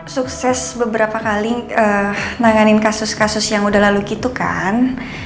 sukses beberapa kali nanganin kasus kasus yang udah lalu gitu kan